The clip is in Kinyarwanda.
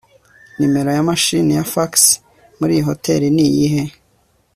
numero ya mashini ya fax muriyi hoteri niyihe